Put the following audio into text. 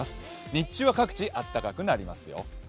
日中は各地、暖かくなりますよ。